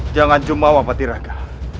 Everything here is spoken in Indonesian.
jangan jumlah wapati raga